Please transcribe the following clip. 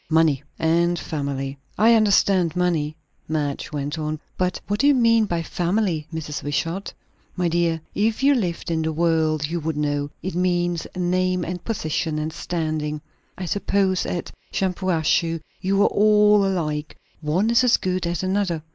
"Money, and family." "I understand money," Madge went on; "but what do you mean by 'family,' Mrs. Wishart?" "My dear, if you lived in the world, you would know. It means name, and position, and standing. I suppose at Shampuashuh you are all alike one is as good as another."